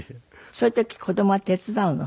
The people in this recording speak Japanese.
そういう時子供は手伝うの？